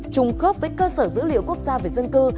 trùng khớp với cơ sở dữ liệu quốc gia về dân cư